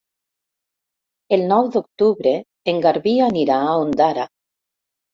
El nou d'octubre en Garbí anirà a Ondara.